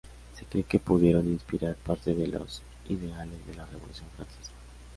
Se cree que pudieron inspirar parte de los ideales de la revolución francesa.